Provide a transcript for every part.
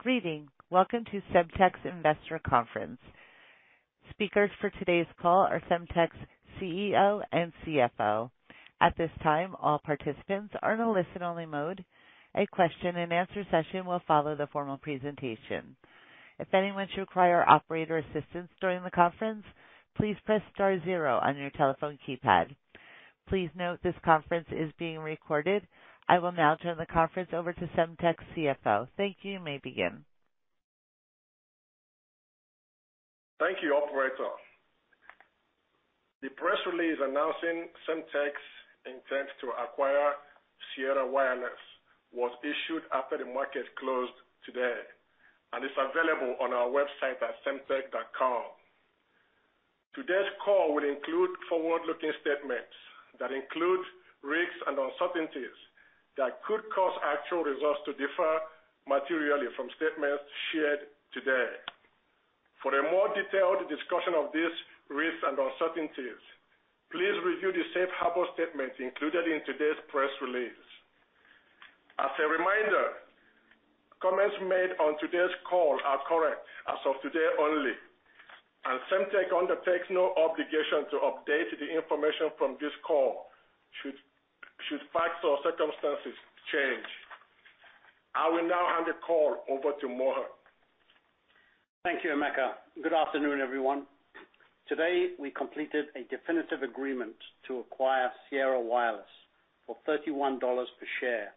Greetings. Welcome to Semtech's Investor Conference. Speakers for today's call are Semtech's CEO and CFO. At this time, all participants are in a listen-only mode. A question-and-answer session will follow the formal presentation. If anyone should require operator assistance during the conference, please press star zero on your telephone keypad. Please note this conference is being recorded. I will now turn the conference over to Semtech's CFO. Thank you. You may begin. Thank you, operator. The press release announcing Semtech's intent to acquire Sierra Wireless was issued after the market closed today and is available on our website at semtech.com. Today's call will include forward-looking statements that include risks and uncertainties that could cause actual results to differ materially from statements shared today. For a more detailed discussion of these risks and uncertainties, please review the safe harbor statement included in today's press release. As a reminder, comments made on today's call are current as of today only, and Semtech undertakes no obligation to update the information from this call should facts or circumstances change. I will now hand the call over to Mohan. Thank you, Emeka. Good afternoon, everyone. Today, we completed a definitive agreement to acquire Sierra Wireless for $31 per share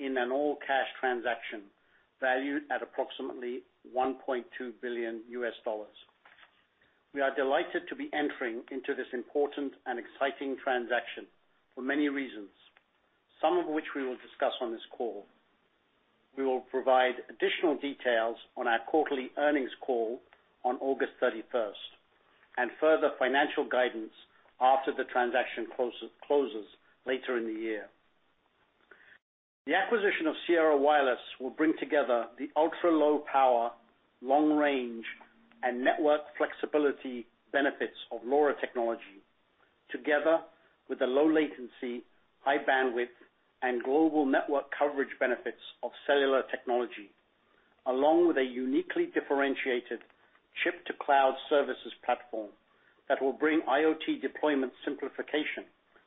in an all-cash transaction valued at approximately $1.2 billion. We are delighted to be entering into this important and exciting transaction for many reasons, some of which we will discuss on this call. We will provide additional details on our quarterly earnings call on 31 August, and further financial guidance after the transaction closes later in the year. The acquisition of Sierra Wireless will bring together the ultra-low power, long range, and network flexibility benefits of LoRa technology, together with the low latency, high bandwidth, and global network coverage benefits of cellular technology, along with a uniquely differentiated chip to cloud services platform that will bring IoT deployment simplification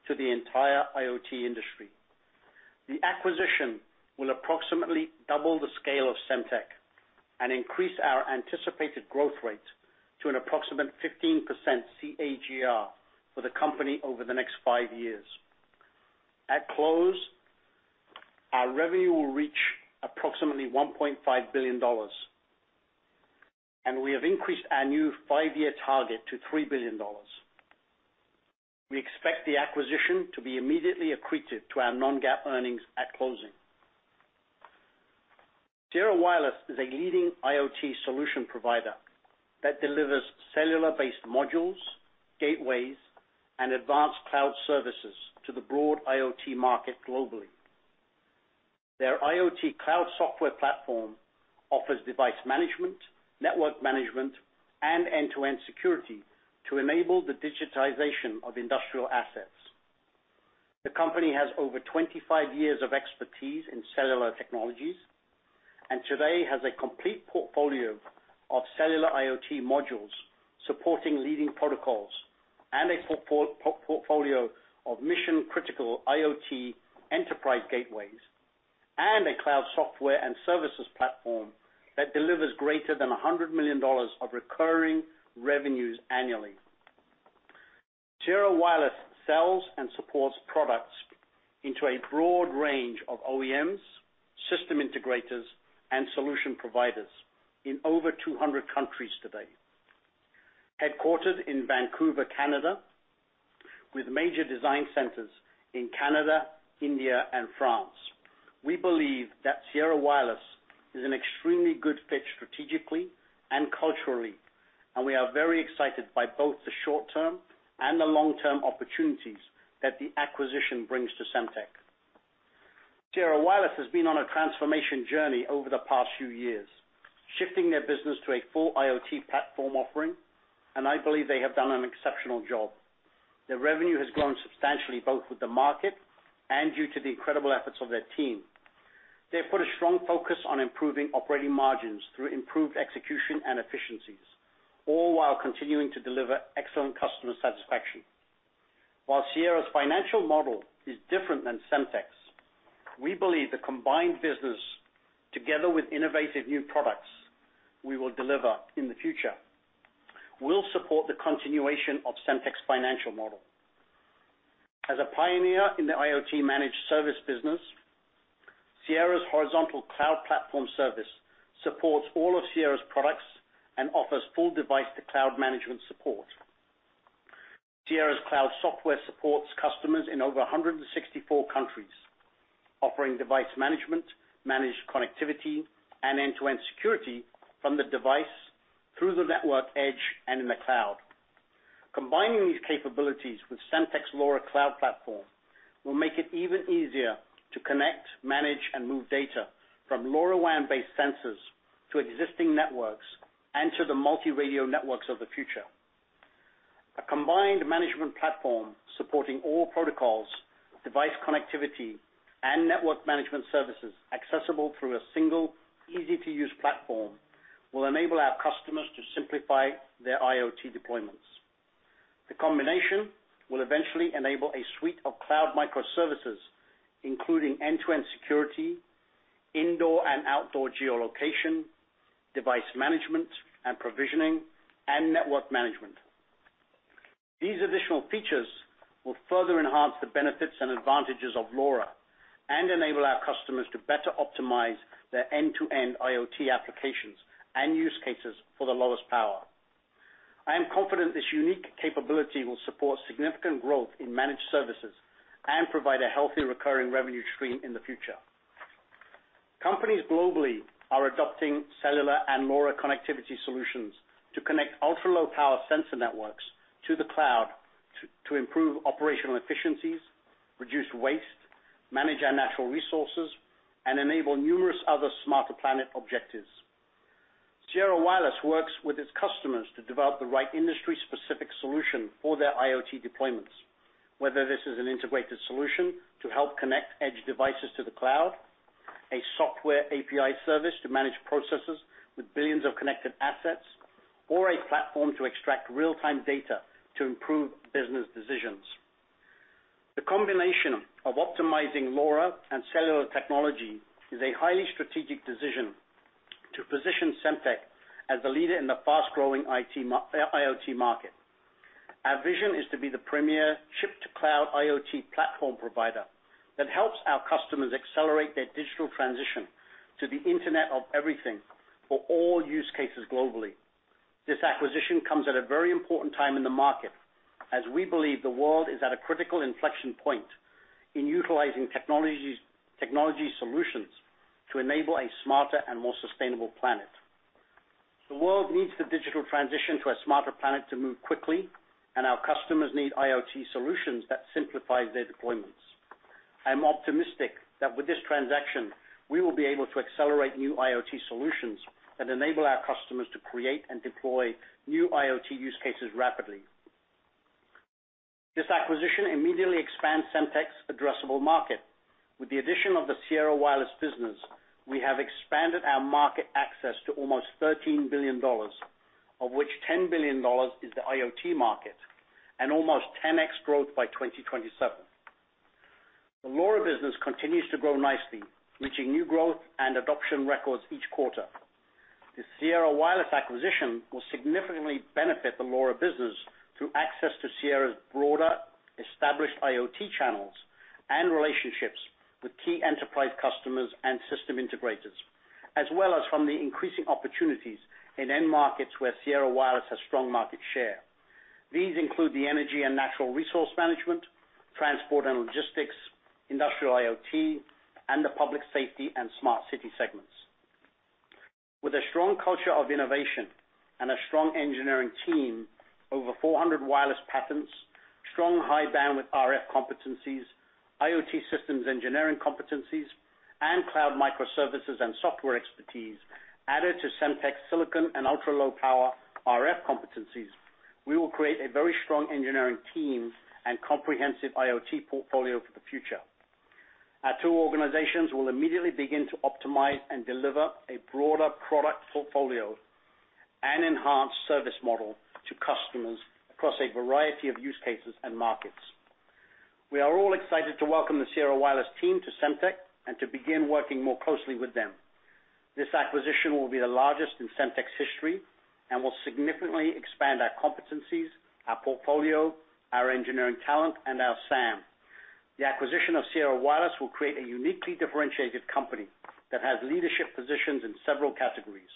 to the entire IoT industry. The acquisition will approximately double the scale of Semtech and increase our anticipated growth rate to an approximate 15% CAGR for the company over the next five years. At close, our revenue will reach approximately $1.5 billion, and we have increased our new five-year target to $3 billion. We expect the acquisition to be immediately accretive to our non-GAAP earnings at closing. Sierra Wireless is a leading IoT solution provider that delivers cellular-based modules, gateways, and advanced cloud services to the broad IoT market globally. Their IoT cloud software platform offers device management, network management, and end-to-end security to enable the digitization of industrial assets. The company has over 25 years of expertise in cellular technologies, and today has a complete portfolio of cellular IoT modules supporting leading protocols and a portfolio of mission-critical IoT enterprise gateways and a cloud software and services platform that delivers greater than $100 million of recurring revenues annually. Sierra Wireless sells and supports products into a broad range of OEMs, system integrators, and solution providers in over 200 countries today. Headquartered in Vancouver, Canada, with major design centers in Canada, India, and France. We believe that Sierra Wireless is an extremely good fit strategically and culturally, and we are very excited by both the short-term and the long-term opportunities that the acquisition brings to Semtech. Sierra Wireless has been on a transformation journey over the past few years, shifting their business to a full IoT platform offering, and I believe they have done an exceptional job. Their revenue has grown substantially, both with the market and due to the incredible efforts of their team. They have put a strong focus on improving operating margins through improved execution and efficiencies, all while continuing to deliver excellent customer satisfaction. While Sierra's financial model is different than Semtech's, we believe the combined business, together with innovative new products we will deliver in the future, will support the continuation of Semtech's financial model. As a pioneer in the IoT managed service business, Sierra's horizontal cloud platform service supports all of Sierra's products and offers full device-to-cloud management support. Sierra's cloud software supports customers in over 164 countries, offering device management, managed connectivity, and end-to-end security from the device through the network edge and in the cloud. Combining these capabilities with Semtech's LoRa cloud platform will make it even easier to connect, manage, and move data from LoRaWAN-based sensors to existing networks and to the multi-radio networks of the future. A combined management platform supporting all protocols, device connectivity, and network management services accessible through a single easy-to-use platform will enable our customers to simplify their IoT deployments. The combination will eventually enable a suite of cloud microservices, including end-to-end security, indoor and outdoor geolocation, device management and provisioning, and network management. These additional features will further enhance the benefits and advantages of LoRa and enable our customers to better optimize their end-to-end IoT applications and use cases for the lowest power. I am confident this unique capability will support significant growth in managed services and provide a healthy recurring revenue stream in the future. Companies globally are adopting cellular and LoRa connectivity solutions to connect ultra-low power sensor networks to the cloud to improve operational efficiencies, reduce waste, manage our natural resources, and enable numerous other smarter planet objectives. Sierra Wireless works with its customers to develop the right industry specific solution for their IoT deployments, whether this is an integrated solution to help connect edge devices to the cloud, a software API service to manage processes with billions of connected assets, or a platform to extract real-time data to improve business decisions. The combination of optimizing LoRa and cellular technology is a highly strategic decision to position Semtech as the leader in the fast-growing IoT market. Our vision is to be the premier chip to cloud IoT platform provider that helps our customers accelerate their digital transition to the Internet of Everything for all use cases globally. This acquisition comes at a very important time in the market as we believe the world is at a critical inflection point in utilizing technologies, technology solutions to enable a smarter and more sustainable planet. The world needs the digital transition to a smarter planet to move quickly, and our customers need IoT solutions that simplify their deployments. I'm optimistic that with this transaction, we will be able to accelerate new IoT solutions that enable our customers to create and deploy new IoT use cases rapidly. This acquisition immediately expands Semtech's addressable market. With the addition of the Sierra Wireless business, we have expanded our market access to almost $13 billion, of which $10 billion is the IoT market, and almost 10x growth by 2027. The LoRa business continues to grow nicely, reaching new growth and adoption records each quarter. The Sierra Wireless acquisition will significantly benefit the LoRa business through access to Sierra's broader established IoT channels and relationships with key enterprise customers and system integrators, as well as from the increasing opportunities in end markets where Sierra Wireless has strong market share. These include the energy and natural resource management, transport and logistics, industrial IoT, and the public safety and smart city segments. With a strong culture of innovation and a strong engineering team, over 400 wireless patents, strong high bandwidth RF competencies, IoT systems engineering competencies, and cloud microservices and software expertise, added to Semtech's silicon and ultra-low power RF competencies, we will create a very strong engineering team and comprehensive IoT portfolio for the future. Our two organizations will immediately begin to optimize and deliver a broader product portfolio and enhanced service model to customers across a variety of use cases and markets. We are all excited to welcome the Sierra Wireless team to Semtech and to begin working more closely with them. This acquisition will be the largest in Semtech's history and will significantly expand our competencies, our portfolio, our engineering talent, and our SAM. The acquisition of Sierra Wireless will create a uniquely differentiated company that has leadership positions in several categories.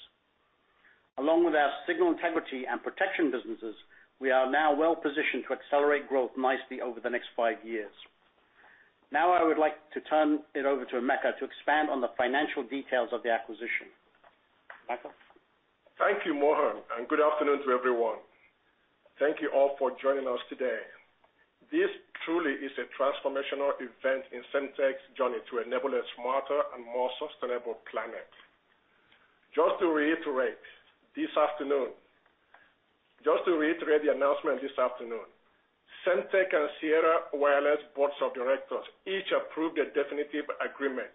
Along with our signal integrity and protection businesses, we are now well positioned to accelerate growth nicely over the next five years. Now I would like to turn it over to Emeka to expand on the financial details of the acquisition. Emeka? Thank you, Mohan, and good afternoon to everyone. Thank you all for joining us today. This truly is a transformational event in Semtech's journey to enable a smarter and more sustainable planet. Just to reiterate the announcement this afternoon, Semtech and Sierra Wireless boards of directors each approved a definitive agreement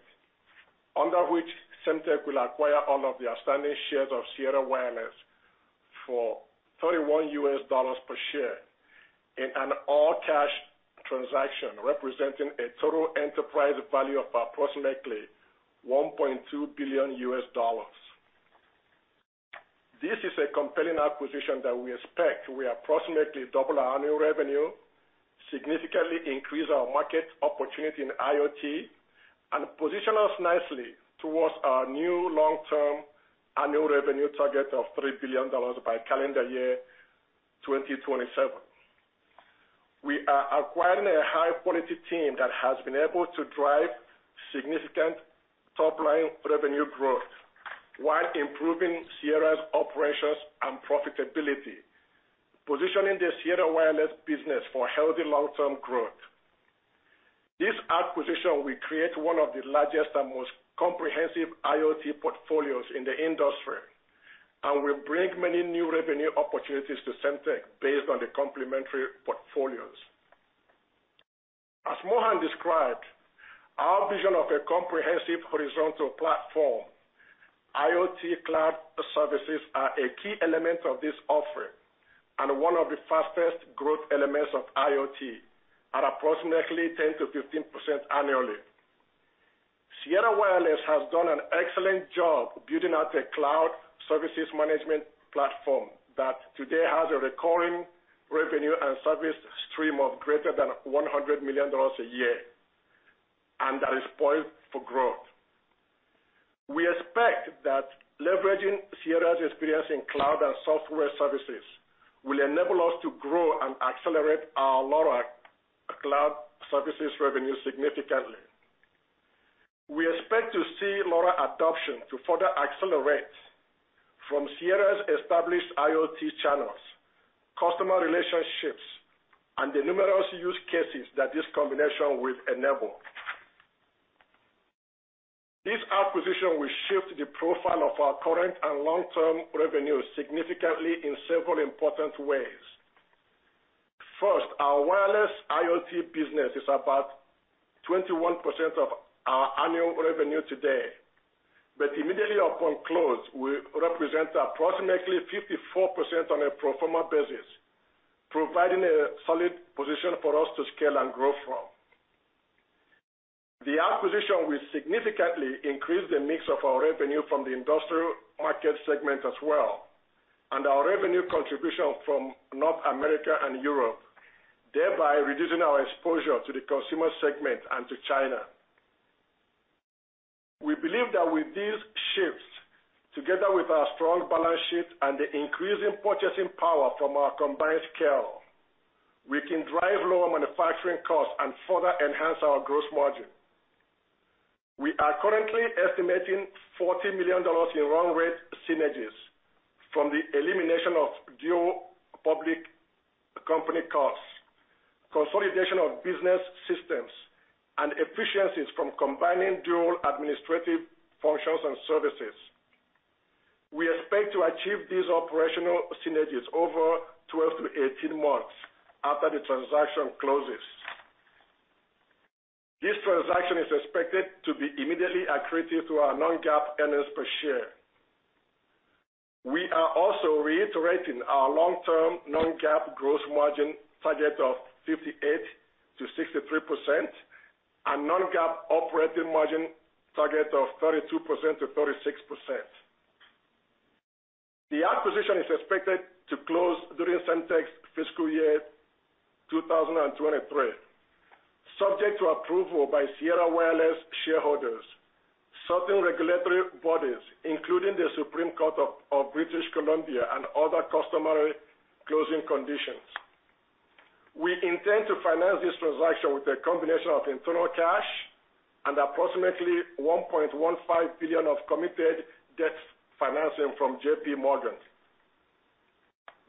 under which Semtech will acquire all of the outstanding shares of Sierra Wireless for $31 per share in an all-cash transaction, representing a total enterprise value of approximately $1.2 billion. This is a compelling acquisition that we expect will approximately double our annual revenue, significantly increase our market opportunity in IoT, and position us nicely towards our new long-term annual revenue target of $3 billion by calendar year 2027. We are acquiring a high-quality team that has been able to drive significant top-line revenue growth while improving Sierra's operations and profitability, positioning the Sierra Wireless business for healthy long-term growth. This acquisition will create one of the largest and most comprehensive IoT portfolios in the industry and will bring many new revenue opportunities to Semtech based on the complementary portfolios. As Mohan described, our vision of a comprehensive horizontal platform, IoT cloud services are a key element of this offering and one of the fastest growth elements of IoT at approximately 10%-15% annually. Sierra Wireless has done an excellent job building out a cloud services management platform that today has a recurring revenue and service stream of greater than $100 million a year, and that is poised for growth. We expect that leveraging Sierra's experience in cloud and software services will enable us to grow and accelerate our LoRa cloud services revenue significantly. We expect to see LoRa adoption to further accelerate from Sierra's established IoT channels, customer relationships, and the numerous use cases that this combination will enable. This acquisition will shift the profile of our current and long-term revenue significantly in several important ways. First, our wireless IoT business is about 21% of our annual revenue today, but immediately upon close, will represent approximately 54% on a pro forma basis, providing a solid position for us to scale and grow from. The acquisition will significantly increase the mix of our revenue from the industrial market segment as well, and our revenue contribution from North America and Europe, thereby reducing our exposure to the consumer segment and to China. We believe that with these shifts, together with our strong balance sheet and the increasing purchasing power from our combined scale, we can drive lower manufacturing costs and further enhance our gross margin. We are currently estimating $40 million in run rate synergies from the elimination of dual public company costs, consolidation of business systems, and efficiencies from combining dual administrative functions and services. We expect to achieve these operational synergies over 12-18 months after the transaction closes. This transaction is expected to be immediately accretive to our non-GAAP earnings per share. We are also reiterating our long-term non-GAAP gross margin target of 58%-63% and non-GAAP operating margin target of 32%-36%. The acquisition is expected to close during Semtech's fiscal year 2023, subject to approval by Sierra Wireless shareholders, certain regulatory bodies, including the Supreme Court of British Columbia and other customary closing conditions. We intend to finance this transaction with a combination of internal cash and approximately $1.15 billion of committed debt financing from JPMorgan.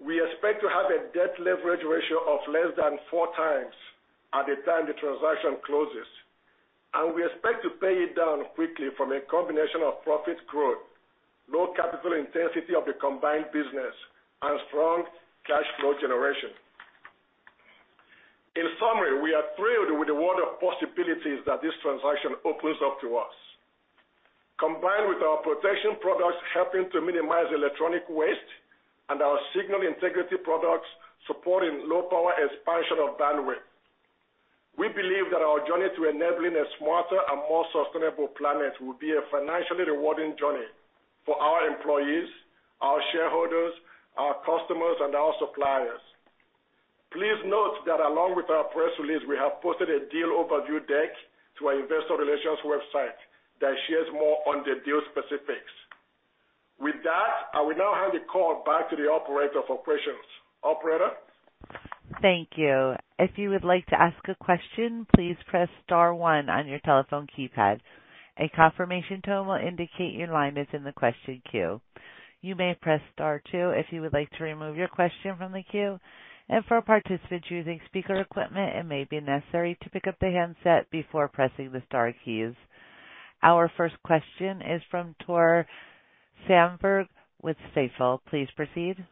We expect to have a debt leverage ratio of less than 4x at the time the transaction closes, and we expect to pay it down quickly from a combination of profit growth, low capital intensity of the combined business, and strong cash flow generation. In summary, we are thrilled with the world of possibilities that this transaction opens up to us. Combined with our protection products helping to minimize electronic waste and our signal integrity products supporting low power expansion of bandwidth, we believe that our journey to enabling a smarter and more sustainable planet will be a financially rewarding journey for our employees, our shareholders, our customers, and our suppliers. Please note that along with our press release, we have posted a deal overview deck to our investor relations website that shares more on the deal specifics. With that, I will now hand the call back to the operator for questions. Operator? Thank you. If you would like to ask a question, please press star one on your telephone keypad. A confirmation tone will indicate your line is in the question queue. You may press star two if you would like to remove your question from the queue. For participants using speaker equipment, it may be necessary to pick up the handset before pressing the star keys. Our first question is from Tore Svanberg with Stifel. Please proceed.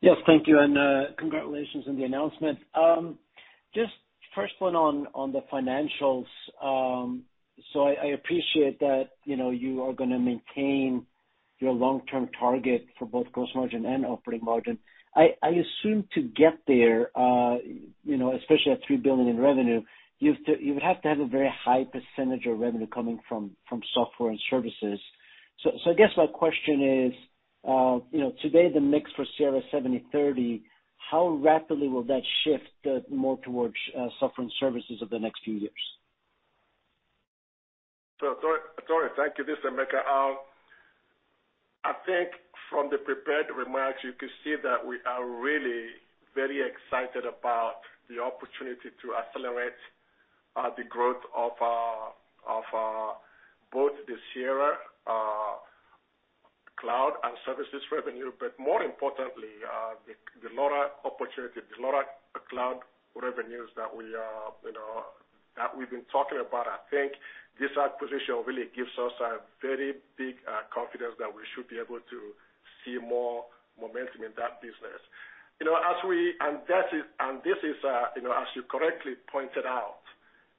Yes, thank you, and congratulations on the announcement. Just first one on the financials. I appreciate that, you know, you are gonna maintain your long-term target for both gross margin and operating margin. I assume to get there, you know, especially at $3 billion in revenue, you would have to have a very high percentage of revenue coming from software and services. I guess my question is, you know, today the mix for Sierra 70/30, how rapidly will that shift more towards software and services over the next few years? Tore, thank you. This is Emeka. I think from the prepared remarks, you can see that we are really very excited about the opportunity to accelerate the growth of both the Sierra Cloud and services revenue, but more importantly, the LoRa opportunity, the LoRa cloud revenues that we are, you know, that we've been talking about. I think this acquisition really gives us a very big confidence that we should be able to see more momentum in that business. You know, as you correctly pointed out,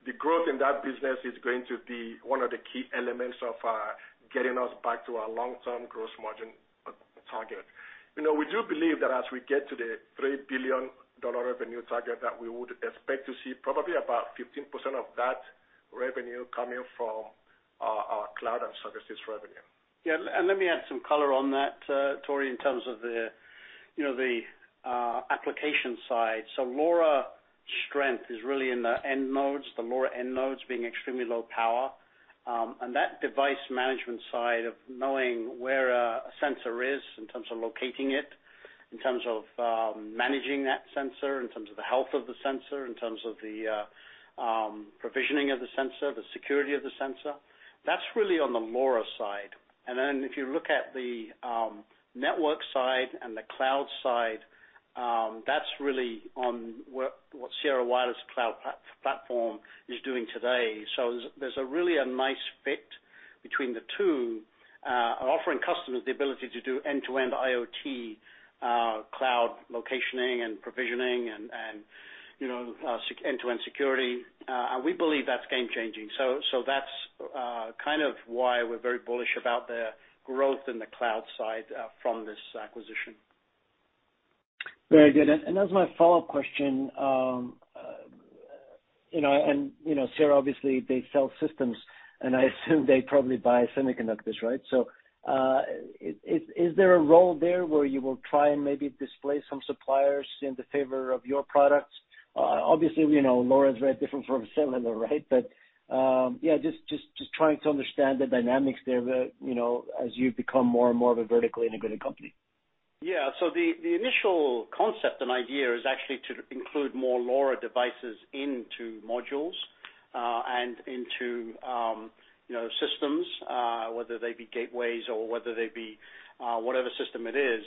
the growth in that business is going to be one of the key elements of getting us back to our long-term gross margin target. You know, we do believe that as we get to the $3 billion revenue target, that we would expect to see probably about 15% of that revenue coming from our cloud and services revenue. Yeah. Let me add some color on that, Tore, in terms of the you know the application side. LoRa strength is really in the end nodes, the LoRa end nodes being extremely low power. That device management side of knowing where a sensor is in terms of locating it, in terms of managing that sensor, in terms of the health of the sensor, in terms of the provisioning of the sensor, the security of the sensor, that's really on the LoRa side. Then if you look at the network side and the cloud side, that's really on what Sierra Wireless cloud platform is doing today. There's a really nice fit between the two, offering customers the ability to do end-to-end IoT, cloud, location, and provisioning and end-to-end security. We believe that's game changing. That's kind of why we're very bullish about the growth in the cloud side from this acquisition. Very good. As my follow-up question, you know, Sierra obviously they sell systems and I assume they probably buy semiconductors, right? So, is there a role there where you will try and maybe displace some suppliers in favor of your products? Obviously, you know, LoRa is very different from cellular, right? Yeah, just trying to understand the dynamics there, you know, as you become more and more of a vertically integrated company. Yeah. The initial concept and idea is actually to include more LoRa devices into modules and into you know systems whether they be gateways or whether they be whatever system it is.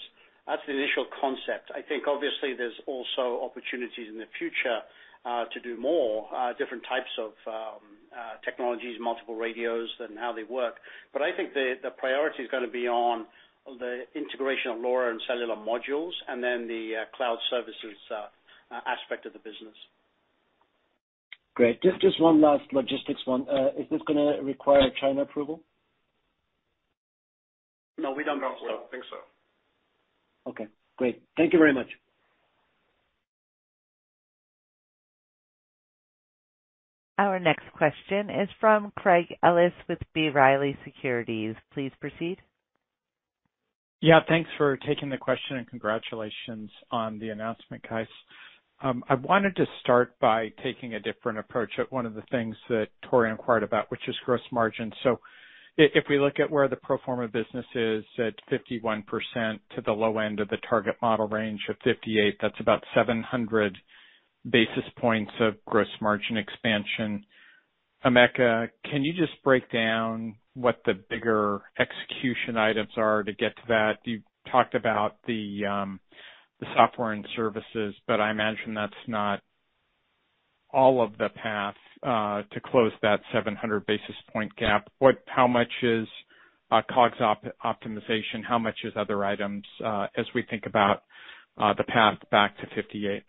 That's the initial concept. I think obviously there's also opportunities in the future to do more different types of technologies multiple radios and how they work. But I think the priority is gonna be on the integration of LoRa and cellular modules and then the cloud services aspect of the business. Great. Just one last logistics one. Is this gonna require China approval? No, we don't think so. No, I don't think so. Okay, great. Thank you very much. Our next question is from Craig Ellis with B. Riley Securities. Please proceed. Yeah, thanks for taking the question and congratulations on the announcement, guys. I wanted to start by taking a different approach at one of the things that Tore Svanberg inquired about, which is gross margin. If we look at where the pro forma business is at 51% to the low end of the target model range of 58%, that's about 700 basis points of gross margin expansion. Emeka Chukwu, can you just break down what the bigger execution items are to get to that? You talked about the software and services, but I imagine that's not all of the path to close that 700 basis point gap. What how much is COGS optimization? How much is other items, as we think about the path back to 58%?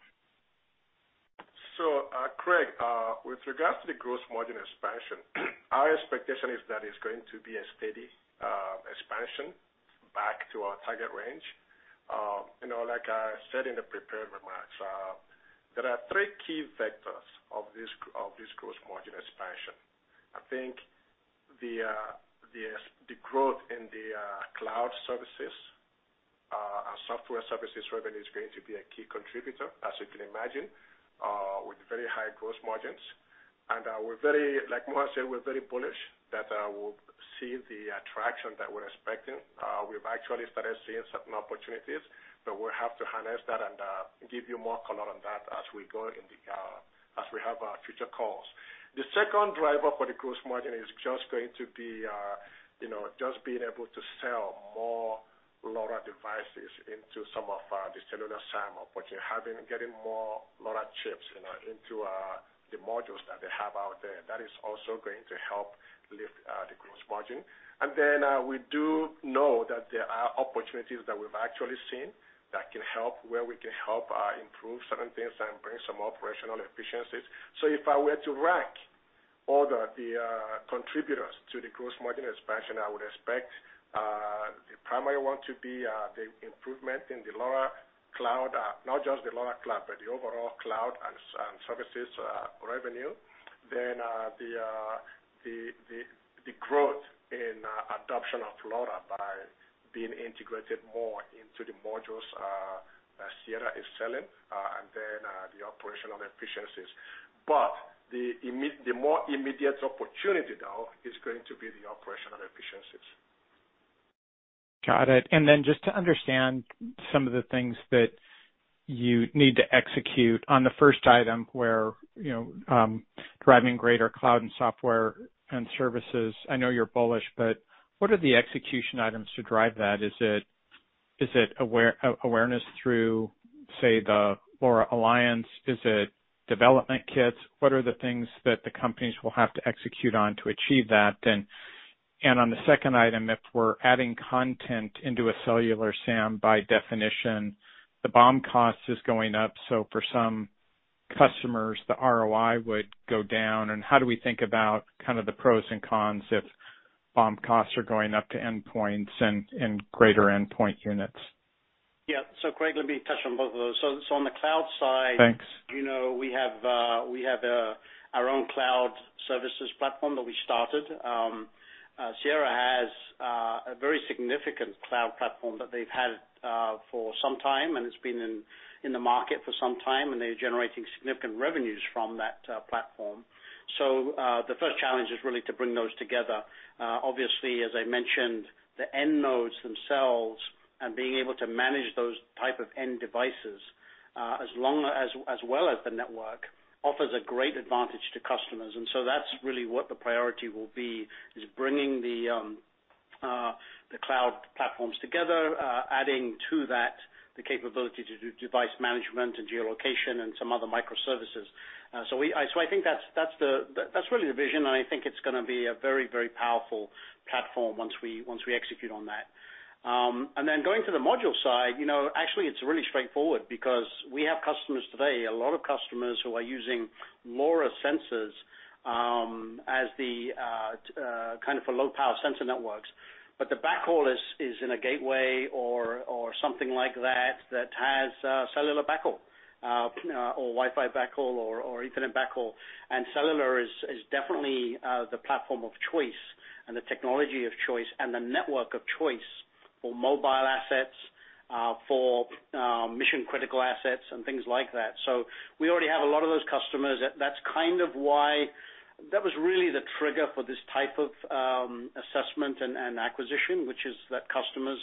Craig, with regards to the gross margin expansion, our expectation is that it's going to be a steady expansion back to our target range. You know, like I said in the prepared remarks, there are three key vectors of this gross margin expansion. I think the growth in the cloud services and software services revenue is going to be a key contributor, as you can imagine, with very high gross margins. We're very, like Mohan said, we're very bullish that we'll see the attraction that we're expecting. We've actually started seeing certain opportunities, but we'll have to harness that and give you more color on that as we have our future calls. The second driver for the gross margin is just going to be, you know, just being able to sell more LoRa devices into some of the cellular SAM opportunities, getting more LoRa chips, you know, into the modules that they have out there. That is also going to help lift the gross margin. We do know that there are opportunities that we've actually seen that can help, where we can help improve certain things and bring some operational efficiencies. If I were to rank all the contributors to the gross margin expansion, I would expect the primary one to be the improvement in the LoRa Cloud. Not just the LoRa Cloud, but the overall cloud and services revenue. The growth in adoption of LoRa by being integrated more into the modules that Sierra is selling, and then, the operational efficiencies. The more immediate opportunity though is going to be the operational efficiencies. Got it. Just to understand some of the things that you need to execute on the first item where, you know, driving greater cloud and software and services. I know you're bullish, but what are the execution items to drive that? Is it awareness through, say, the LoRa Alliance? Is it development kits? What are the things that the companies will have to execute on to achieve that then? On the second item, if we're adding content into a cellular SAM, by definition, the BOM cost is going up. For some customers, the ROI would go down. How do we think about kind of the pros and cons if BOM costs are going up to endpoints and greater endpoint units? Yeah. Craig, let me touch on both of those. On the cloud side. Thanks You know, we have our own cloud services platform that we started. Sierra has a very significant cloud platform that they've had for some time, and it's been in the market for some time, and they're generating significant revenues from that platform. The first challenge is really to bring those together. Obviously, as I mentioned, the end nodes themselves and being able to manage those type of end devices, as well as the network, offers a great advantage to customers. That's really what the priority will be, is bringing the cloud platforms together, adding to that the capability to do device management and geolocation and some other microservices. I think that's really the vision, and I think it's gonna be a very, very powerful platform once we execute on that. Going to the module side, you know, actually it's really straightforward because we have customers today, a lot of customers who are using LoRa sensors as the kind of a low power sensor networks. The backhaul is in a gateway or something like that that has cellular backhaul or Wi-Fi backhaul or Ethernet backhaul. Cellular is definitely the platform of choice and the technology of choice and the network of choice for mobile assets for mission critical assets and things like that. We already have a lot of those customers. That's kind of why... That was really the trigger for this type of assessment and acquisition, which is that customers,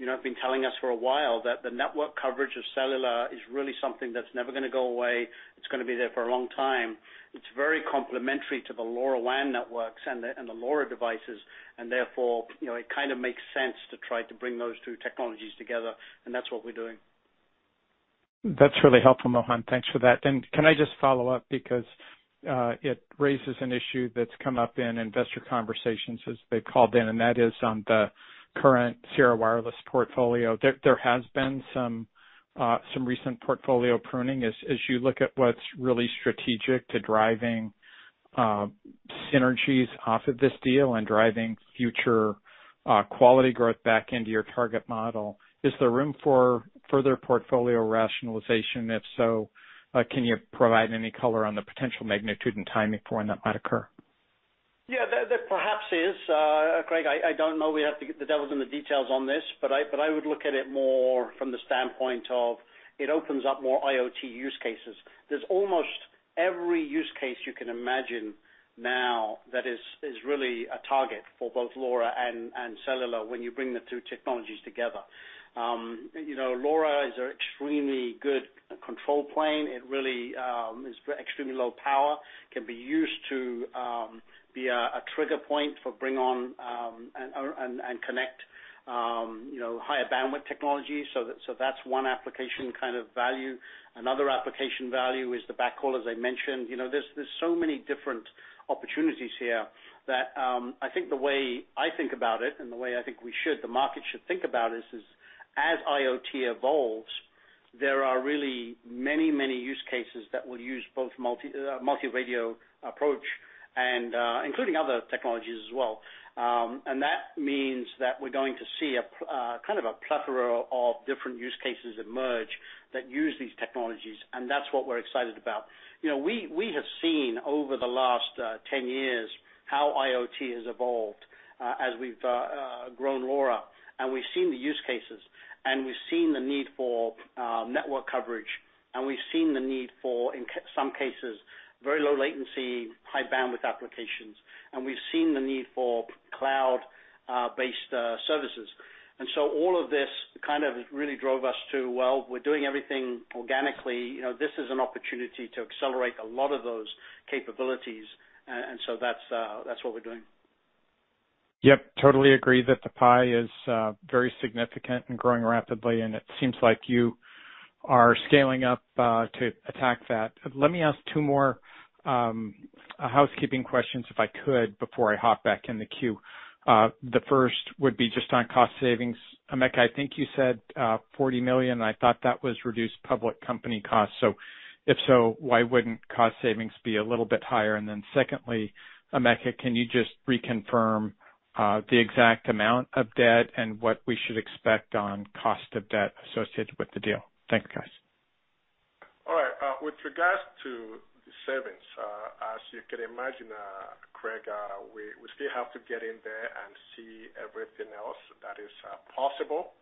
you know, have been telling us for a while that the network coverage of cellular is really something that's never gonna go away. It's gonna be there for a long time. It's very complementary to the LoRaWAN networks and the LoRa devices, and therefore, you know, it kind of makes sense to try to bring those two technologies together, and that's what we're doing. That's really helpful, Mohan. Thanks for that. Can I just follow up because it raises an issue that's come up in investor conversations as they've called in, and that is on the current Sierra Wireless portfolio. There has been some recent portfolio pruning. As you look at what's really strategic to driving synergies off of this deal and driving future quality growth back into your target model, is there room for further portfolio rationalization? If so, can you provide any color on the potential magnitude and timing for when that might occur? Yeah. There perhaps is, Craig. I don't know. We have to get the devil in the details on this. I would look at it more from the standpoint of it opens up more IoT use cases. There's almost every use case you can imagine now that is really a target for both LoRa and cellular when you bring the two technologies together. You know, LoRa is an extremely good control plane. It really is extremely low power, can be used to be a trigger point for bringing on and connecting higher bandwidth technology. That's one application kind of value. Another application value is the backhaul, as I mentioned. You know, there's so many different opportunities here that I think the way I think about it and the way the market should think about is as IoT evolves, there are really many use cases that will use both multi-radio approach and including other technologies as well. That means that we're going to see kind of a plethora of different use cases emerge that use these technologies, and that's what we're excited about. You know, we have seen over the last 10 years how IoT has evolved as we've grown LoRa, and we've seen the use cases, and we've seen the need for network coverage, and we've seen the need for, in some cases, very low latency, high bandwidth applications, and we've seen the need for cloud based services. All of this kind of really drove us to, well, we're doing everything organically. You know, this is an opportunity to accelerate a lot of those capabilities. That's what we're doing. Yep. Totally agree that the pie is very significant and growing rapidly, and it seems like you are scaling up to attack that. Let me ask two more housekeeping questions, if I could, before I hop back in the queue. The first would be just on cost savings. Emeka, I think you said $40 million. I thought that was reduced public company costs. So if so, why wouldn't cost savings be a little bit higher? And then secondly, Emeka, can you just reconfirm the exact amount of debt and what we should expect on cost of debt associated with the deal? Thank you, guys. All right. With regards to the savings, as you can imagine, Craig, we still have to get in there and see everything else that is possible.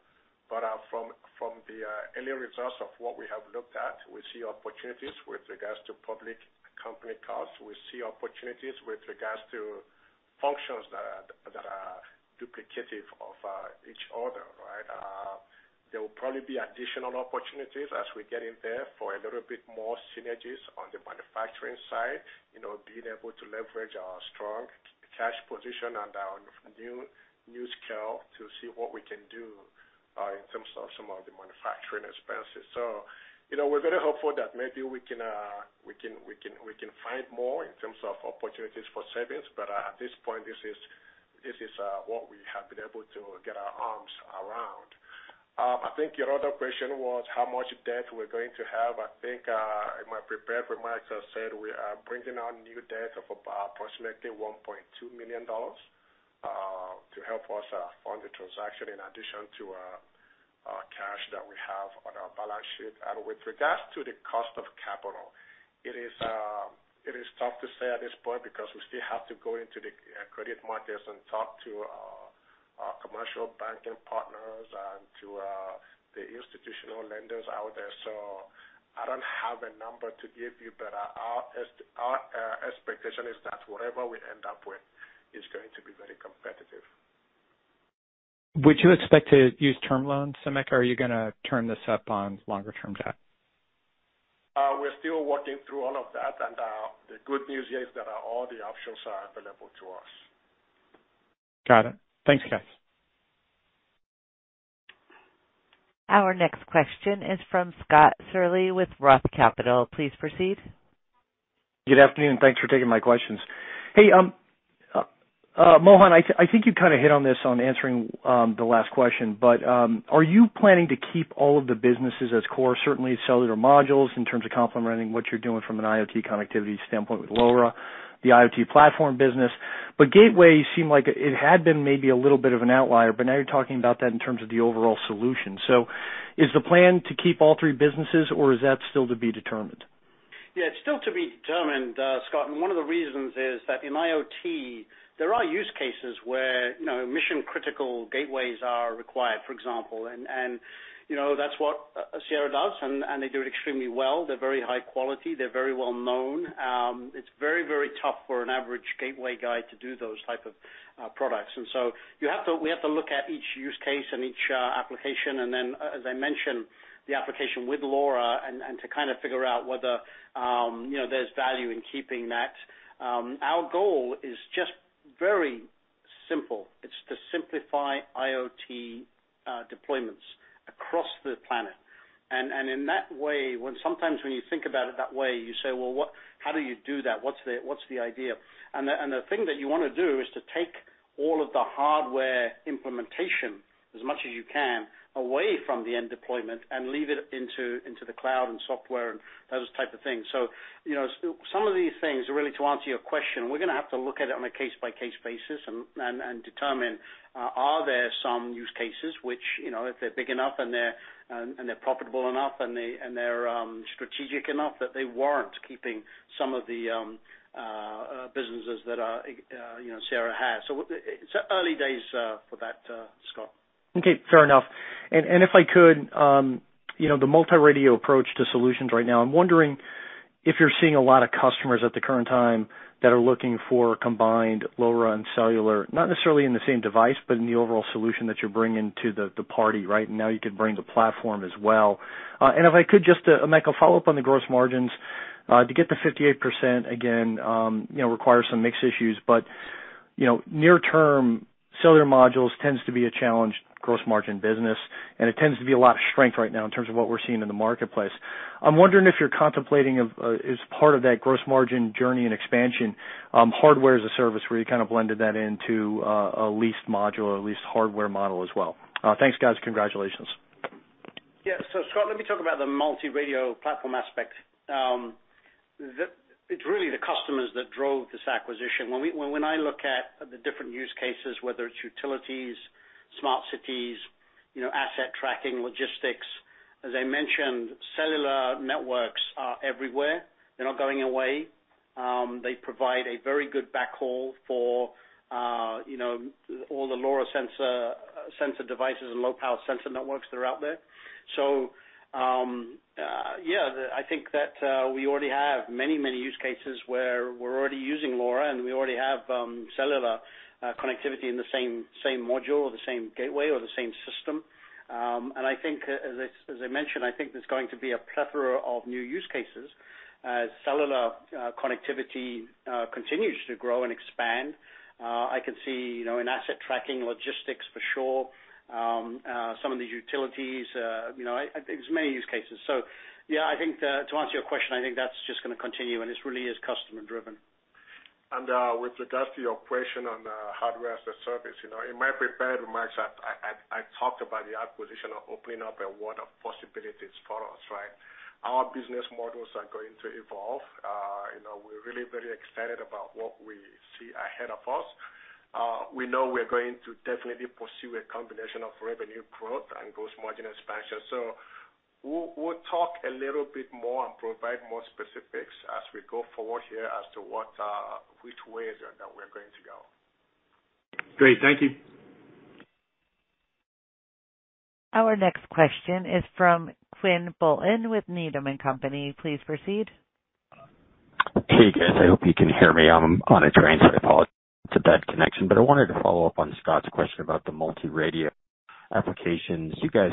From the early results of what we have looked at, we see opportunities with regards to public company costs. We see opportunities with regards to functions that are duplicative of each other, right? There will probably be additional opportunities as we get in there for a little bit more synergies on the manufacturing side, you know, being able to leverage our strong cash position and our new scale to see what we can do in terms of some of the manufacturing expenses. You know, we're very hopeful that maybe we can find more in terms of opportunities for savings. At this point, this is what we have been able to get our arms around. I think your other question was how much debt we're going to have. I think in my prepared remarks, I said we are bringing on new debt of approximately $1.2 billion to help us fund the transaction in addition to our cash that we have on our balance sheet. With regards to the cost of capital, it is tough to say at this point because we still have to go into the credit markets and talk to our commercial banking partners and to the institutional lenders out there. I don't have a number to give you, but our expectation is that whatever we end up with is going to be very competitive. Would you expect to use term loans, Emeka? Are you gonna term this up on longer-term debt? We're still working through all of that, and the good news is that all the options are available to us. Got it. Thanks, guys. Our next question is from Scott Searle with Roth Capital. Please proceed. Good afternoon, and thanks for taking my questions. Hey, Mohan, I think you kind of hit on this on answering the last question, but are you planning to keep all of the businesses as core? Certainly, cellular modules in terms of complementing what you're doing from an IoT connectivity standpoint with LoRa, the IoT platform business. But gateway seemed like it had been maybe a little bit of an outlier, but now you're talking about that in terms of the overall solution. Is the plan to keep all three businesses, or is that still to be determined? Yeah, it's still to be determined, Scott. One of the reasons is that in IoT, there are use cases where, you know, mission-critical gateways are required, for example. You know, that's what Sierra does, and they do it extremely well. They're very high quality. They're very well known. It's very, very tough for an average gateway guy to do those type of products. We have to look at each use case and each application, and then as I mentioned, the application with LoRa and to kind of figure out whether, you know, there's value in keeping that. Our goal is just very simple. It's to simplify IoT deployments across the planet. In that way, when you sometimes think about it that way, you say, "Well, what, how do you do that? What's the idea?" The thing that you wanna do is to take all of the hardware implementation as much as you can away from the end deployment and leave it into the cloud and software and those type of things. Some of these things, really to answer your question, we're gonna have to look at it on a case-by-case basis and determine, are there some use cases which, you know, if they're big enough and they're profitable enough, and they're strategic enough that they warrant keeping some of the businesses that, you know, Sierra has. It's early days for that, Scott. Okay, fair enough. If I could, you know, the multi-radio approach to solutions right now, I'm wondering if you're seeing a lot of customers at the current time that are looking for combined LoRa and cellular, not necessarily in the same device, but in the overall solution that you're bringing to the party, right? Now you could bring the platform as well. If I could just, Emeka, follow up on the gross margins. To get to 58% again, you know, requires some mix issues. You know, near term, cellular modules tends to be a challenged gross margin business, and it tends to be a lot of strength right now in terms of what we're seeing in the marketplace. I'm wondering if you're contemplating of, as part of that gross margin journey and expansion, hardware as a service where you kind of blended that into a leased module or a leased hardware model as well. Thanks, guys. Congratulations. Yeah. Scott, let me talk about the multi-radio platform aspect. It's really the customers that drove this acquisition. When I look at the different use cases, whether it's utilities, smart cities, you know, asset tracking, logistics, as I mentioned, cellular networks are everywhere. They're not going away. They provide a very good backhaul for, you know, all the LoRa sensor devices and low-power sensor networks that are out there. I think that we already have many use cases where we're already using LoRa, and we already have cellular connectivity in the same module or the same gateway or the same system. I think as I mentioned, I think there's going to be a plethora of new use cases as cellular connectivity continues to grow and expand. I can see, you know, in asset tracking, logistics for sure, some of the utilities, you know, I think there's many use cases. Yeah, I think to answer your question, I think that's just gonna continue, and this really is customer driven. With regards to your question on hardware as a service, you know, in my prepared remarks, I talked about the acquisition of opening up a world of possibilities for us, right? Our business models are going to evolve. You know, we're really very excited about what we see ahead of us. We know we're going to definitely pursue a combination of revenue growth and gross margin expansion. We'll talk a little bit more and provide more specifics as we go forward here as to what which way that we're going to go. Great. Thank you. Our next question is from Quinn Bolton with Needham & Company. Please proceed. Hey, guys. I hope you can hear me. I'm on a train, so I apologize for that connection. I wanted to follow up on Scott's question about the multi-radio applications. You guys,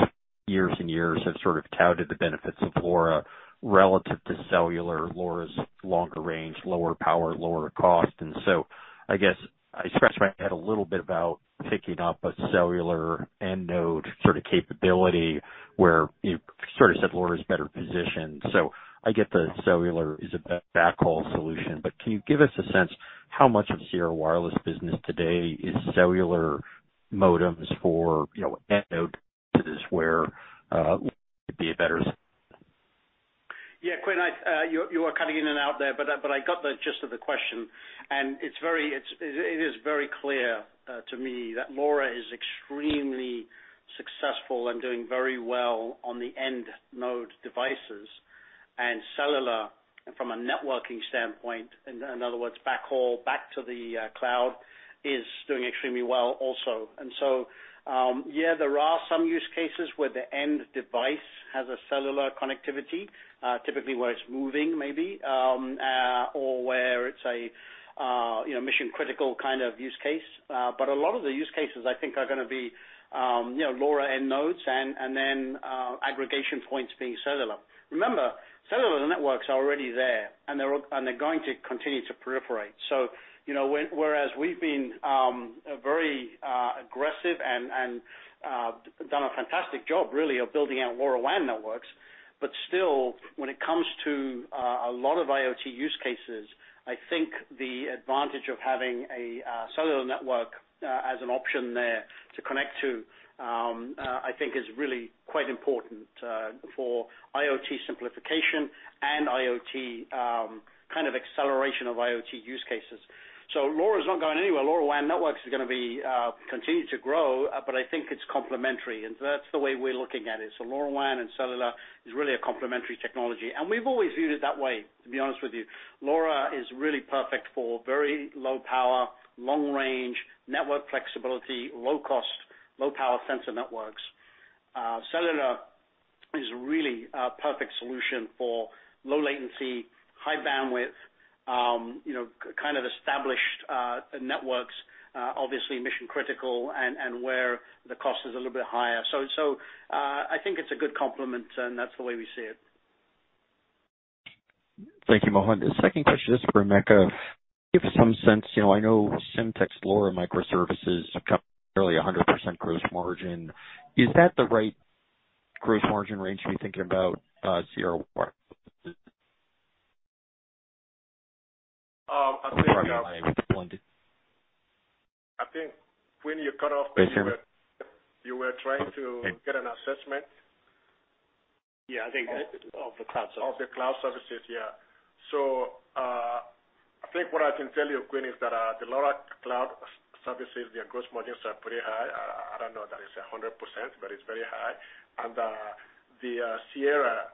years and years, have sort of touted the benefits of LoRa relative to cellular. LoRa's longer range, lower power, lower cost. I guess I scratch my head a little bit about picking up a cellular end node sort of capability where you sort of said LoRa is better positioned. I get the cellular is a backhaul solution, but can you give us a sense how much of Sierra Wireless business today is cellular modems for, you know, end node to this, where it'd be a better solution. Yeah, Quinn, you were cutting in and out there, but I got the gist of the question. It is very clear to me that LoRa is extremely successful and doing very well on the end node devices. Cellular from a networking standpoint, in other words, backhaul back to the cloud, is doing extremely well also. There are some use cases where the end device has a cellular connectivity, typically where it's moving maybe or where it's a you know, mission critical kind of use case. But a lot of the use cases I think are gonna be you know, LoRa end nodes and then aggregation points being cellular. Remember, cellular networks are already there, and they're going to continue to proliferate. You know, whereas we've been very aggressive and done a fantastic job really of building out LoRaWAN networks. Still, when it comes to a lot of IoT use cases, I think the advantage of having a cellular network as an option there to connect to, I think is really quite important for IoT simplification and IoT kind of acceleration of IoT use cases. LoRa is not going anywhere. LoRaWAN networks is gonna be continue to grow, but I think it's complementary, and that's the way we're looking at it. LoRaWAN and cellular is really a complementary technology, and we've always viewed it that way, to be honest with you. LoRa is really perfect for very low power, long range, network flexibility, low cost, low power sensor networks. Cellular is really a perfect solution for low latency, high bandwidth, you know, kind of established networks, obviously mission critical and where the cost is a little bit higher. I think it's a good complement, and that's the way we see it. Thank you, Mohan. The second question is for Emeka. Give some sense, you know, I know Semtech's LoRa microservices have come nearly 100% gross margin. Is that the right gross margin range to be thinking about, Sierra Wireless? I think- Sorry, my line is breaking. I think, Quinn, you cut off there, you were- Yes, sir. You were trying to get an assessment. Yeah. I think of the cloud services. Of the cloud services, yeah. I think what I can tell you, Quinn, is that the LoRa cloud services, their gross margins are pretty high. I don't know that it's 100%, but it's very high. The Sierra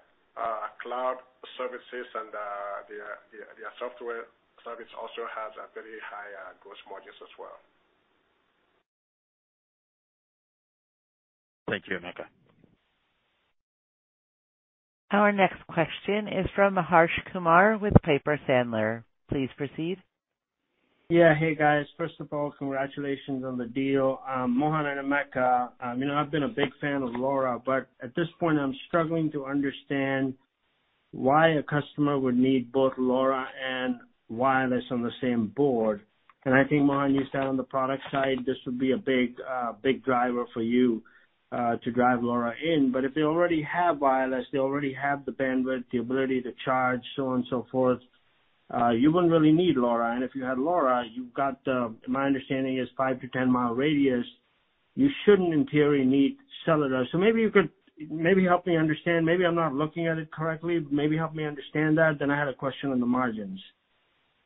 cloud services and the software service also has a very high gross margins as well. Thank you, Emeka. Our next question is from Harsh Kumar with Piper Sandler. Please proceed. Yeah. Hey, guys. First of all, congratulations on the deal. Mohan and Emeka, you know, I've been a big fan of LoRa, but at this point, I'm struggling to understand why a customer would need both LoRa and wireless on the same board. I think, Mohan, you said on the product side, this would be a big driver for you to drive LoRa in. If they already have wireless, they already have the bandwidth, the ability to charge, so on and so forth, you wouldn't really need LoRa. If you had LoRa, you've got, my understanding is five to 10 mile radius, you shouldn't in theory need cellular. Maybe you could maybe help me understand. Maybe I'm not looking at it correctly, but maybe help me understand that. I had a question on the margins.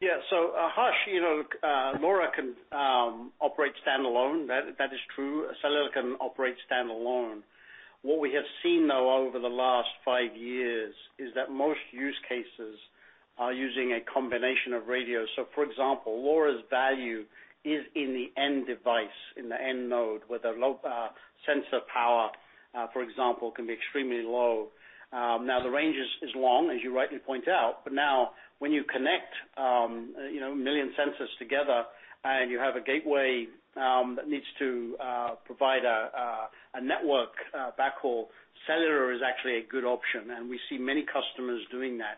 Yeah. Harsh, you know, LoRa can operate standalone, that is true. Cellular can operate standalone. What we have seen, though, over the last five years is that most use cases are using a combination of radios. For example, LoRa's value is in the end device, in the end node, where the low sensor power, for example, can be extremely low. Now the range is long, as you rightly point out, but now when you connect, you know, million sensors together and you have a gateway that needs to provide a network backhaul, Cellular is actually a good option, and we see many customers doing that.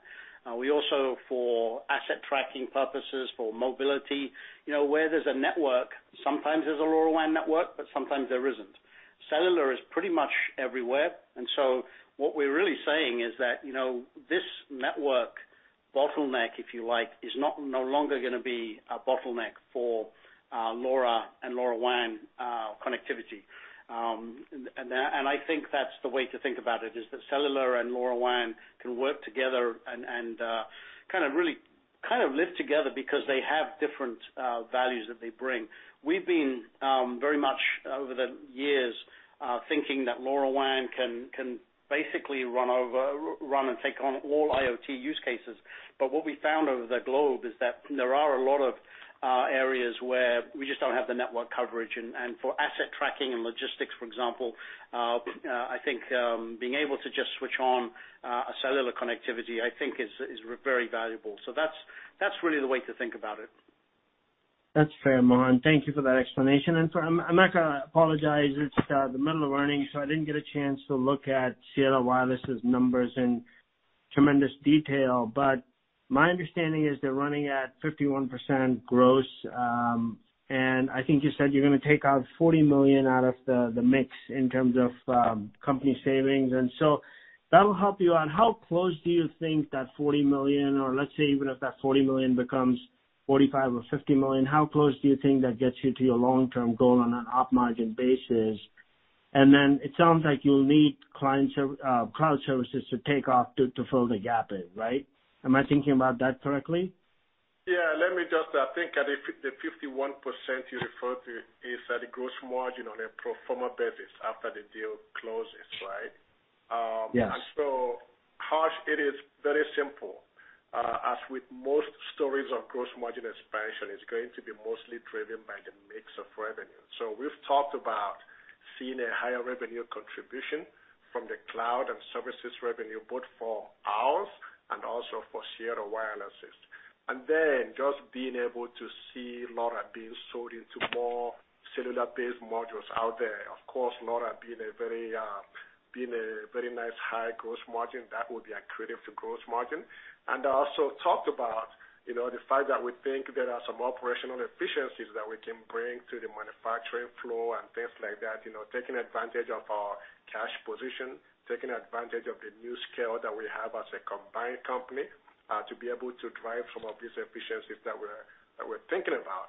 We also, for asset tracking purposes, for mobility, you know, where there's a network, sometimes there's a LoRaWAN network, but sometimes there isn't. Cellular is pretty much everywhere. What we're really saying is that, you know, this network bottleneck, if you like, is not no longer gonna be a bottleneck for LoRa and LoRaWAN connectivity. I think that's the way to think about it, is that cellular and LoRaWAN can work together and kind of really kind of live together because they have different values that they bring. We've been very much over the years thinking that LoRaWAN can basically run and take on all IoT use cases. What we found around the globe is that there are a lot of areas where we just don't have the network coverage. For asset tracking and logistics, for example, I think being able to just switch on a cellular connectivity, I think is very valuable. That's really the way to think about it. That's fair, Mohan. Thank you for that explanation. For Emeka, I apologize, it's the middle of earnings, so I didn't get a chance to look at Sierra Wireless' numbers in tremendous detail. My understanding is they're running at 51% gross. I think you said you're gonna take out $40 million out of the mix in terms of company savings. That'll help you out. How close do you think that $40 million, or let's say even if that $40 million becomes $45 or $50 million, how close do you think that gets you to your long-term goal on an op margin basis? Then it sounds like you'll need cloud services to take off to fill the gap in, right? Am I thinking about that correctly? Yeah, let me just, I think the 51% you referred to is a gross margin on a pro forma basis after the deal closes, right? Yes. Harsh, it is very simple. As with most stories of gross margin expansion, it's going to be mostly driven by the mix of revenue. We've talked about seeing a higher revenue contribution from the cloud and services revenue, both for ours and also for Sierra Wireless's. Then just being able to see LoRa being sold into more cellular-based modules out there. Of course, LoRa being a very nice high gross margin, that will be accretive to gross margin. I also talked about, you know, the fact that we think there are some operational efficiencies that we can bring to the manufacturing flow and things like that. You know, taking advantage of our cash position, taking advantage of the new scale that we have as a combined company, to be able to drive some of these efficiencies that we're thinking about.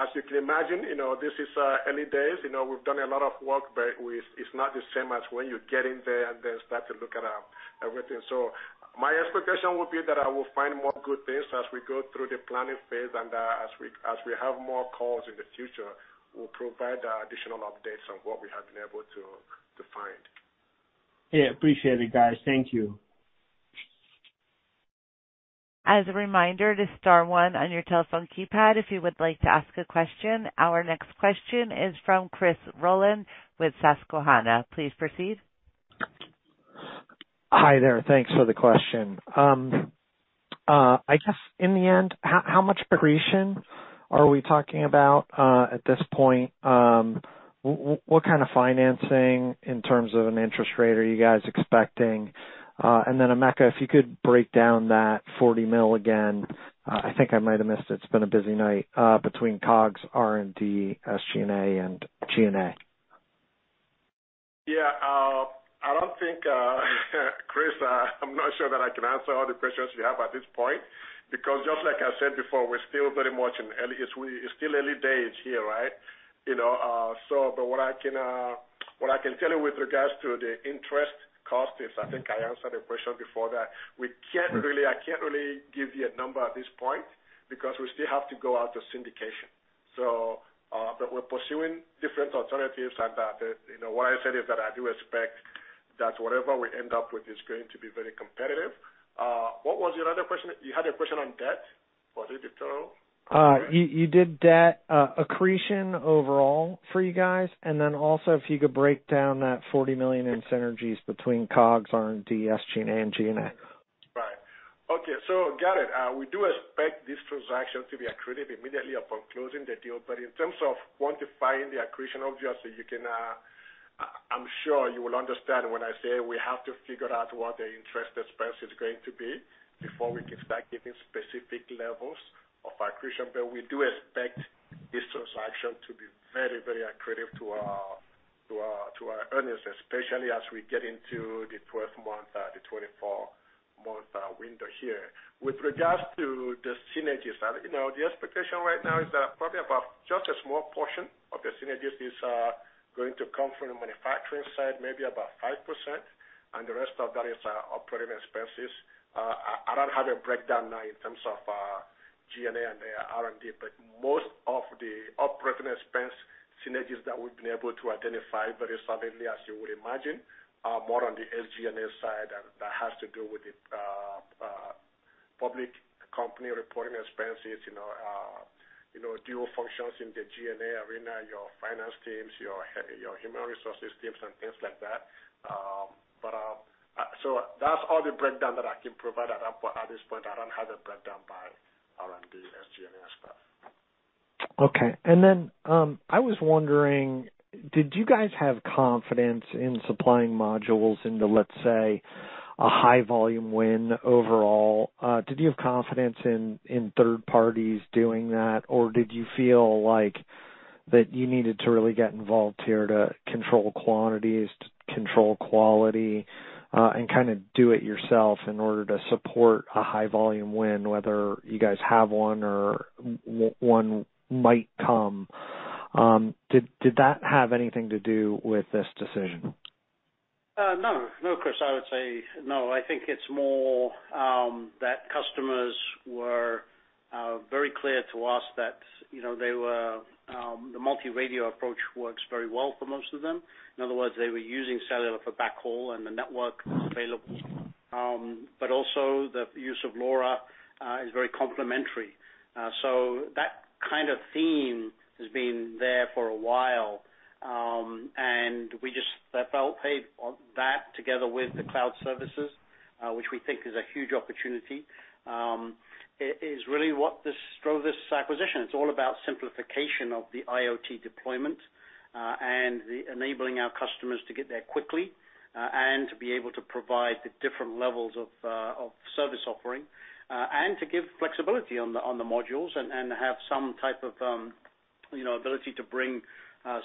As you can imagine, you know, this is early days. You know, we've done a lot of work, but it's not the same as when you get in there and then start to look at everything. My expectation would be that I will find more good things as we go through the planning phase and, as we have more calls in the future, we'll provide additional updates on what we have been able to find. Yeah, appreciate it, guys. Thank you. As a reminder to star one on your telephone keypad if you would like to ask a question. Our next question is from Chris Rolland with Susquehanna. Please proceed. Hi there. Thanks for the question. I guess in the end, how much accretion are we talking about at this point? What kind of financing in terms of an interest rate are you guys expecting? Emeka, if you could break down that $40 million again, I think I might have missed it. It's been a busy night between COGS, R&D, SG&A, and G&A. Yeah, I don't think, Chris, I'm not sure that I can answer all the questions you have at this point, because just like I said before, it's still early days here, right? You know, what I can tell you with regards to the interest cost is, I think I answered a question before that. I can't really give you a number at this point because we still have to go out to syndication. We're pursuing different alternatives and that, you know, what I said is that I do expect that whatever we end up with is going to be very competitive. What was your other question? You had a question on debt? Was it? [inaudible] You did that accretion overall for you guys. Also, if you could break down that $40 million in synergies between COGS, R&D, SG&A, and G&A. Right. Okay. Got it. We do expect this transaction to be accretive immediately upon closing the deal. In terms of quantifying the accretion, obviously, you can, I'm sure you will understand when I say we have to figure out what the interest expense is going to be before we can start giving specific levels of accretion. We do expect this transaction to be very, very accretive to our earnings, especially as we get into the 12th month, the 24-month window here. With regards to the synergies, you know, the expectation right now is that probably about just a small portion of the synergies is going to come from the manufacturing side, maybe about 5%, and the rest of that is operating expenses. I don't have a breakdown now in terms of G&A and R&D, but most of the operating expense synergies that we've been able to identify very solidly, as you would imagine, are more on the SG&A side, and that has to do with the public company reporting expenses, you know, dual functions in the G&A arena, your finance teams, your human resources teams, and things like that. That's all the breakdown that I can provide at this point. I don't have a breakdown by R&D, SG&A stuff. Okay. I was wondering, did you guys have confidence in supplying modules into, let's say, a high volume win overall? Did you have confidence in third parties doing that? Or did you feel like that you needed to really get involved here to control quantities, to control quality, and kinda do it yourself in order to support a high volume win, whether you guys have one or one might come? Did that have anything to do with this decision? No. No, Chris, I would say no. I think it's more that customers were very clear to us that, you know, they were. The multi-radio approach works very well for most of them. In other words, they were using cellular for backhaul and the network was available. Also the use of LoRa is very complementary. That kind of theme has been there for a while. We just felt that together with the cloud services, which we think is a huge opportunity, is really what drove this acquisition. It's all about simplification of the IoT deployment, and enabling our customers to get there quickly, and to be able to provide the different levels of service offering, and to give flexibility on the modules and have some type of, you know, ability to bring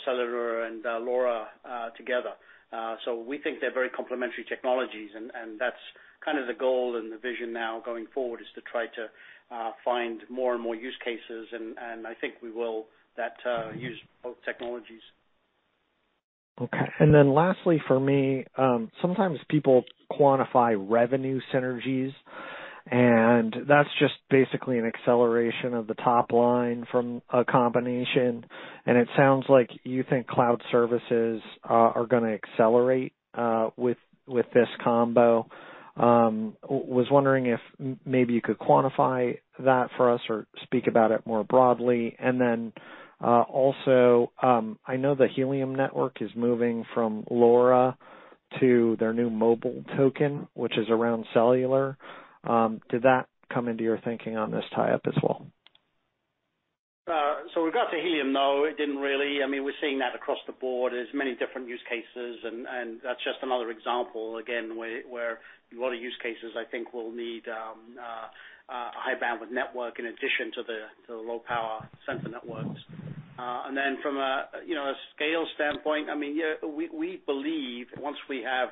cellular and LoRa together. We think they're very complementary technologies and that's kind of the goal and the vision now going forward, is to try to find more and more use cases, and I think we will use both technologies. Okay. Then lastly for me, sometimes people quantify revenue synergies, and that's just basically an acceleration of the top line from a combination, and it sounds like you think cloud services are gonna accelerate with this combo. Was wondering if maybe you could quantify that for us or speak about it more broadly. Also, I know the Helium network is moving from LoRa to their new mobile token, which is around cellular. Did that come into your thinking on this tie-up as well? With regards to Helium, no, it didn't really. I mean, we're seeing that across the board. There's many different use cases and that's just another example, again, where a lot of use cases I think will need a high bandwidth network in addition to the low power sensor networks. From a scale standpoint, I mean, yeah, we believe once we have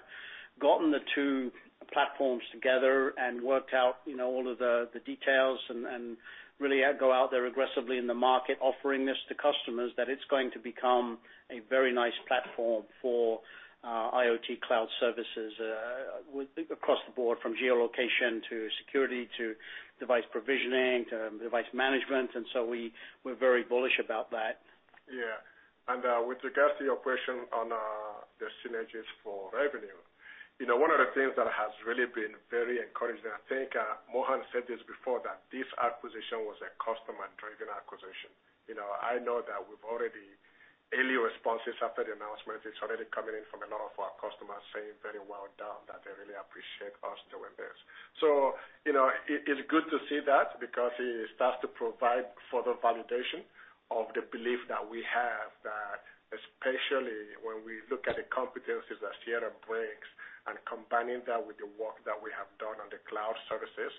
gotten the two platforms together and worked out all of the details and really go out there aggressively in the market offering this to customers, that it's going to become a very nice platform for IoT cloud services across the board, from geolocation to security to device provisioning to device management. We're very bullish about that. With regards to your question on the synergies for revenue, you know, one of the things that has really been very encouraging, I think, Mohan said this before, that this acquisition was a customer-driven acquisition. You know, I know that early responses after the announcement are already coming in from a lot of our customers saying very well done, that they really appreciate us doing this. You know, it's good to see that because it starts to provide further validation of the belief that we have that, especially when we look at the competencies that Sierra brings and combining that with the work that we have done on the cloud services,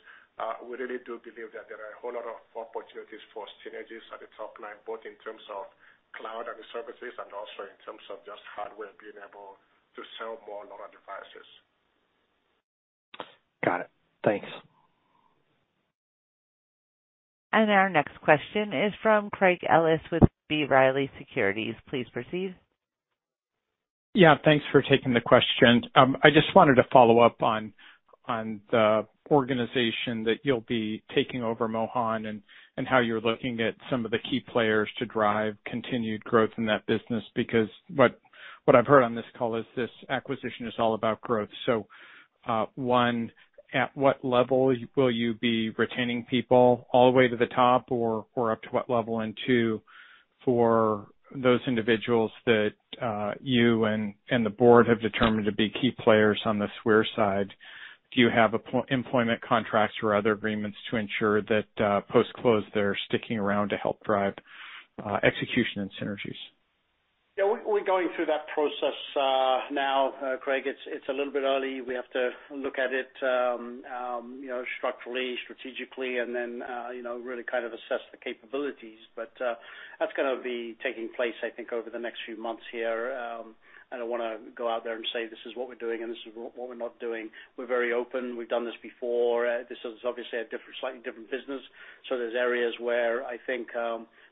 we really do believe that there are a whole lot of opportunities for synergies at the top line, both in terms of cloud and the services and also in terms of just hardware being able to sell more LoRa devices. Got it. Thanks. Our next question is from Craig Ellis with B. Riley Securities. Please proceed. Yeah, thanks for taking the questions. I just wanted to follow up on the organization that you'll be taking over, Mohan, and how you're looking at some of the key players to drive continued growth in that business. Because what I've heard on this call is this acquisition is all about growth. One, at what level will you be retaining people, all the way to the top or up to what level? And two, for those individuals that you and the board have determined to be key players on the Sierra side, do you have employment contracts or other agreements to ensure that post-close, they're sticking around to help drive execution and synergies? Yeah, we're going through that process now, Craig. It's a little bit early. We have to look at it, you know, structurally, strategically, and then, you know, really kind of assess the capabilities. That's gonna be taking place, I think, over the next few months here. I don't wanna go out there and say, "This is what we're doing and this is what we're not doing." We're very open. We've done this before. This is obviously a different, slightly different business. There's areas where I think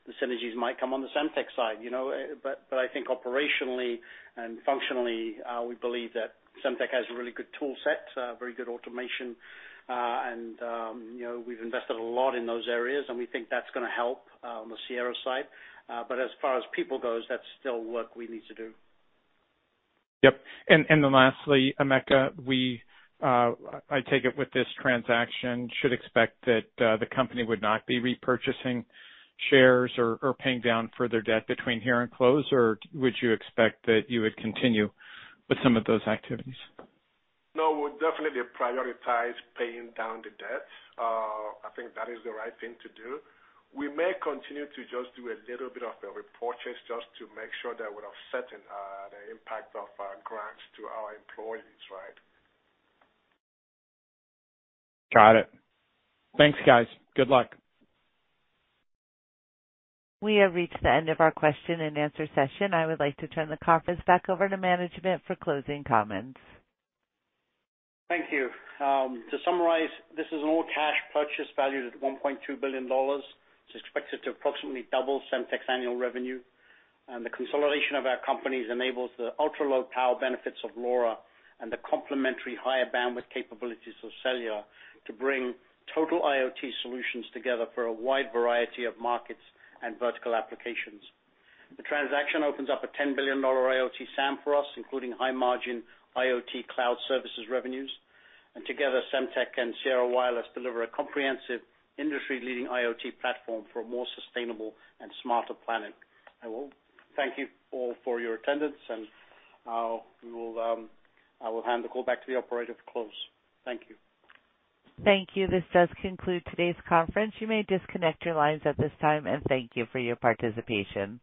the synergies might come on the Semtech side, you know. I think operationally and functionally, we believe that Semtech has a really good tool set, very good automation, and, you know, we've invested a lot in those areas, and we think that's gonna help on the Sierra side. As far as people goes, that's still work we need to do. Yep. Lastly, Emeka, I take it with this transaction should expect that, the company would not be repurchasing shares or paying down further debt between here and close, or would you expect that you would continue with some of those activities? No, we'll definitely prioritize paying down the debt. I think that is the right thing to do. We may continue to just do a little bit of the repurchase just to make sure that we're offsetting the impact of grants to our employees, right? Got it. Thanks, guys. Good luck. We have reached the end of our question and answer session. I would like to turn the conference back over to management for closing comments. Thank you. To summarize, this is an all-cash purchase valued at $1.2 billion. It's expected to approximately double Semtech's annual revenue. The consolidation of our companies enables the ultra-low power benefits of LoRa and the complementary higher bandwidth capabilities of cellular to bring total IoT solutions together for a wide variety of markets and vertical applications. The transaction opens up a $10 billion IoT SAM for us, including high-margin IoT cloud services revenues. Together, Semtech and Sierra Wireless deliver a comprehensive industry-leading IoT platform for a more sustainable and smarter planet. I will thank you all for your attendance, I will hand the call back to the operator to close. Thank you. Thank you. This does conclude today's conference. You may disconnect your lines at this time, and thank you for your participation.